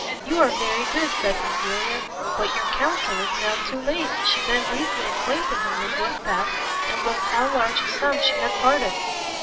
"You are very good," said Cecilia, "but your counsel is now too late!" She then briefly acquainted him with what passed, and with how large a sum she had parted.